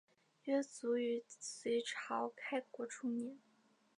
约卒于隋朝开国初年。